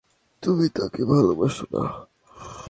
তুমি তাকে ভালোবাসো না?